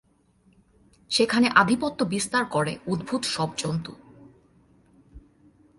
সেখানে আধিপত্য বিস্তার করে অদ্ভুত সব জন্তু।